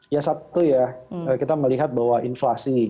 ya satu ya kita melihat bahwa inflasi